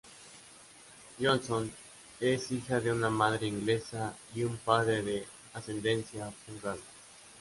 Johnson es hija de una madre inglesa y un padre de ascendencia punjabi.